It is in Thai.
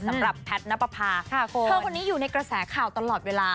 สำหรับแพทย์นับประพาเธอคนนี้อยู่ในกระแสข่าวตลอดเวลา